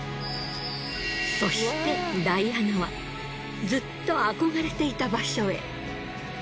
そしてダイアナはずっと憧れていた場所へ。